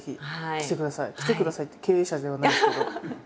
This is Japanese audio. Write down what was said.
「来てください」って経営者ではないですけど。